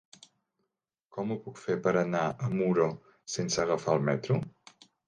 Com ho puc fer per anar a Muro sense agafar el metro?